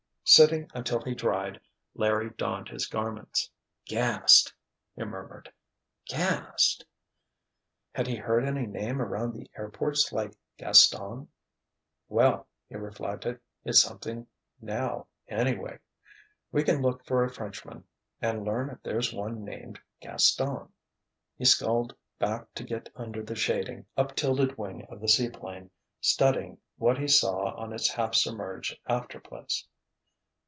Sitting until he dried, Larry donned his garments. "Gast—" he murmured. "Gast——" Had he heard any name around the airports like Gaston? "Well," he reflected, "its something, now, anyway. We can look for a Frenchman—and learn if there's one named Gaston." He sculled back to get under the shading, up tilted wing of the seaplane, studying what he saw of its half submerged after place.